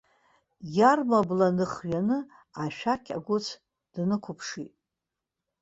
Иарма бла ныхҩаны, ашәақь агәыцә днықәԥшит.